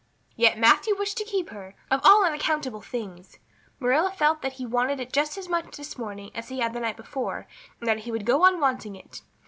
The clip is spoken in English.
Yet Matthew wished to keep her, of all unaccountable things! Marilla felt that he wanted it just as much this morning as he had the night before, and that he would go on wanting it.